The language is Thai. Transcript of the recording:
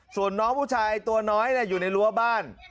ส่วนน้องผู้ชายตัวน้อยอยู่ในรั้วบ้าน